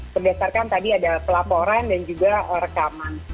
berdasarkan tadi ada pelaporan dan juga rekaman